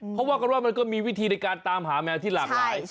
เขาว่ากันว่ามันก็มีวิธีในการตามหาแมวที่หลากหลาย